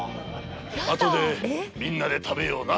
後でみんなで食べような。